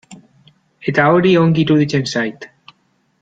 Eta hori ongi iruditzen zait.